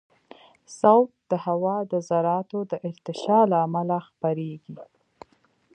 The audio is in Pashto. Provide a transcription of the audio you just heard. صوت د هوا د ذراتو د ارتعاش له امله خپرېږي.